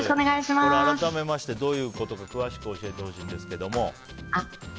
改めまして、どういうことか詳しく教えてほしいんですけど。